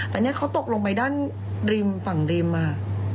แต่เนี่ยเขาตกลงไปด้านริมฝั่งริมมา